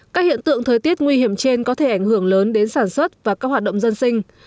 các hiện tượng thời tiết nguy hiểm trên có thể ảnh hưởng lớn đến sản xuất và các hoạt động dân sinh